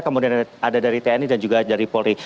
kemudian ada dari tni dan juga dari polri